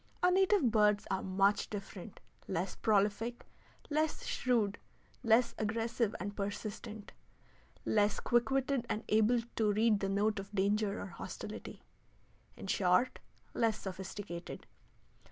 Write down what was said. Our native birds are much different, less prolific, less shrewd, less aggressive and persistent, less quick witted and able to read the note of danger or hostility in short, less sophisticated.